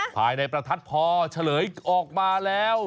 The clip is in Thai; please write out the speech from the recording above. ภายในประทัดพอเฉลยออกมาแล้ว